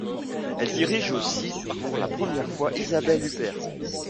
Elle dirige aussi pour la première fois Isabelle Huppert..